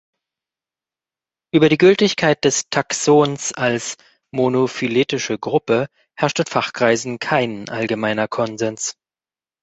Über die Gültigkeit des Taxons als monophyletische Gruppe herrscht in Fachkreisen kein allgemeiner Konsens.